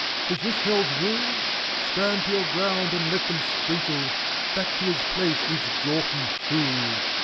Is this Hell's rulet Stand to your ground, and let them sprinkle! Back to his place each gawky fool